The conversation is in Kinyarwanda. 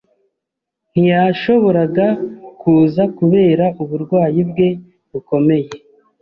Ntiyashoboraga kuza kubera uburwayi bwe bukomeye.